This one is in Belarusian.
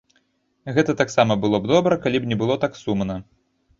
Гэта таксама было б добра, калі б не было так сумна.